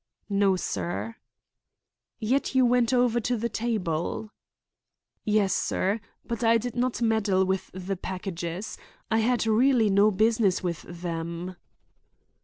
"No, sir." "Yet you went over to the table?" "Yes, sir, but I did not meddle with the packages. I had really no business with them."